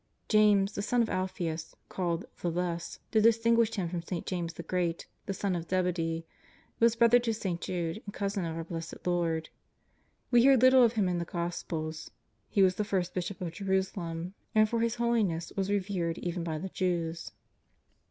James, the son of Alphaeus, called " the Less," to distinguish him from St. James the Great, the son of Zebedee, was brother to St. Jude and cousin of our Blessed Lord. We hear little of him in the Gospels. He was the first Bishop of Jerusalem, and for his holi ness was revered even by the Jews.